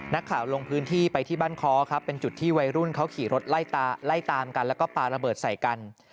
ลงพื้นที่ไปที่บ้านค้อครับเป็นจุดที่วัยรุ่นเขาขี่รถไล่ตามกันแล้วก็ปลาระเบิดใส่กัน